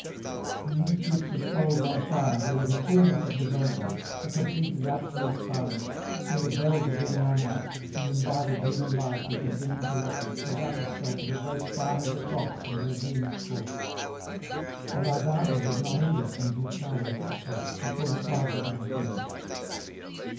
In these groups of souls on fire there was a fulness of devotion, a complete and absolute silence, till the bells again rang out, and invited human life which had been inter rupted to wrap itself in a great sign of the Cross and resume its course. The " Laudate " was not ended when Durtal left the church, before the crowd began to move.